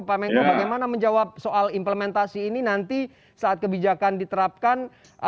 pak menko bagaimana menjawab soal implementasi ini nanti saat kebijakan diterapkan